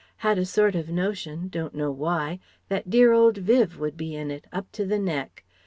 Had a sort of notion, don't know why, that dear old Viv would be in it, up to the neck.